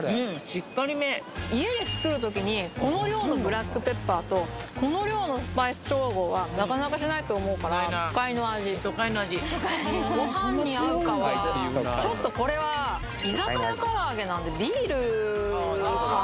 しっかりめ家で作る時にこの量のブラックペッパーとこの量のスパイス調合はなかなかしないと思うからごはんに合うかはちょっとこれは居酒屋からあげなんでビールかな？